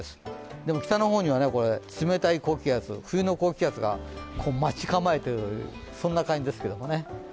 でも北の方には冷たい高気圧冬の高気圧が待ち構えている感じですけどもね。